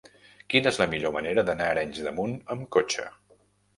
Quina és la millor manera d'anar a Arenys de Munt amb cotxe?